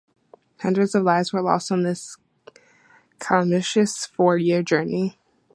Hundreds of lives were lost on this calamitous four year, journey.